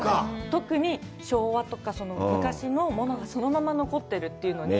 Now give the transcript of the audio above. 特に昭和とか昔のものがそのまま残ってるというのに。